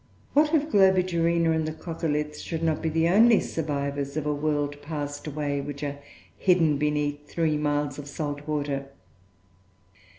What if Globigerina and the Coccoliths should not be the only survivors of a world passed away, which are hidden beneath three miles of salt water?